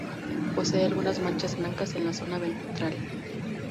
Posee algunas manchas blancas en la zona ventral.